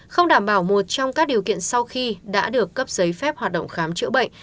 không đảm bảo một trong các điều kiện sau khi đã được cấp giấy phép hoạt động khám chữa bệnh